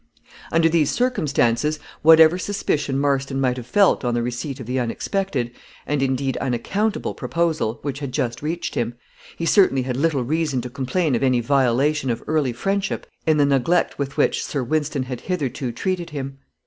Under these circumstances, whatever suspicion Marston might have felt on the receipt of the unexpected, and indeed unaccountable proposal, which had just reached him, he certainly had little reason to complain of any violation of early friendship in the neglect with which Sir Wynston had hitherto treated him.